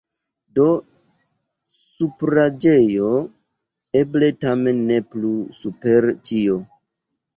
Do supraĵeco eble tamen ne plu super ĉio?